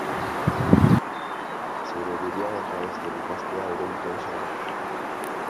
Zeure burua babesten ikastea lehen pausoa da.